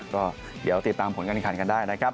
ก็เดี๋ยวติดตามผลการแข่งขันกันได้นะครับ